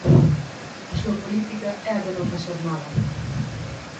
A súa política é a de non facer nada.